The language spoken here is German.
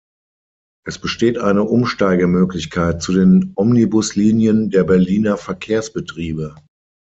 Es besteht eine Umsteigemöglichkeit zu den Omnibuslinien der Berliner Verkehrsbetriebe.